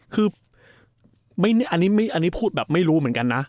คืออันนี้พูดแบบไม่รู้เหมือนกันนะ